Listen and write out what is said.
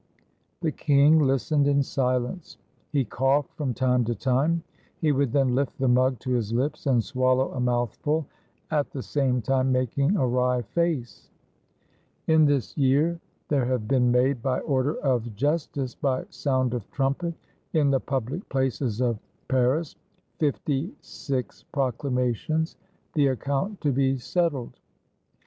The king listened in silence. He coughed from time to time ; he would then lift the mug to his lips and swallow a mouthful, at the same time making a wry face. "In this year there have been made by order of jus tice, by sound of trumpet, in the public places of Paris, fifty six proclamations — the account to be settled.